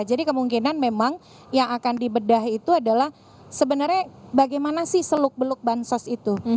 jadi kemungkinan memang yang akan dibedah itu adalah sebenarnya bagaimana sih seluk beluk bansos itu